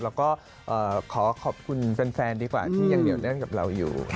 แล้วก็ขอขอบคุณแฟนดีกว่าที่ยังเหนียวแน่นกับเราอยู่